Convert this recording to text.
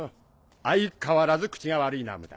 相変わらず口が悪いなムタ。